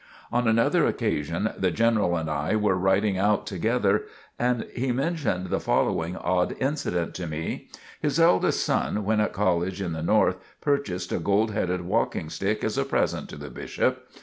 On another occasion the General and I were riding out together and he mentioned the following odd incident to me: His eldest son when at college in the North purchased a gold headed walking stick as a present to the Bishop.